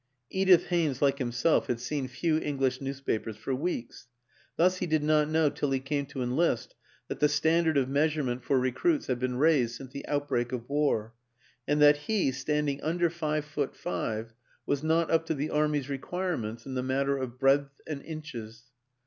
Edith Haynes, like himself, had seen few English newspapers for weeks; thus he did not know till he came to enlist that the stand ard of measurement for recruits had been raised since the outbreak of war, and that he, standing under five foot five, was not up to the Army's requirements in the matter of breadth and inches.